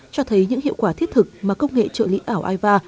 cho thấy những hiệu quả thiết thực mà công nghệ trợ lý ảo aiva